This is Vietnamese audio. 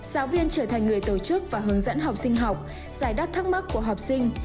giáo viên trở thành người tổ chức và hướng dẫn học sinh học giải đáp thắc mắc của học sinh